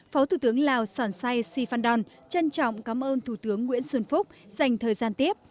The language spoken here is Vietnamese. phó thủ tướng lào sỏn say sifan don trân trọng cảm ơn thủ tướng nguyễn xuân phúc dành thời gian tiếp